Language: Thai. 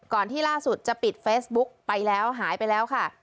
ที่ล่าสุดจะปิดเฟซบุ๊กไปแล้วหายไปแล้วค่ะ